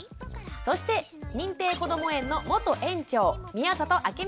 そして認定こども園の元園長宮里暁美さんです。